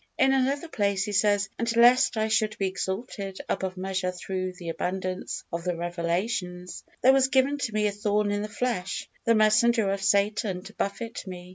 In another place he says, "And lest I should be exalted above measure through the abundance of the revelations, there was given to me a thorn in the flesh, the messenger of Satan, to buffet me."